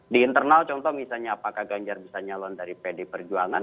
di internal contoh misalnya apakah ganjar bisa nyalon dari pd perjuangan